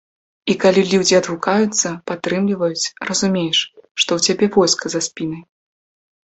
І калі людзі адгукаюцца, падтрымліваюць, разумееш, што ў цябе войска за спінай.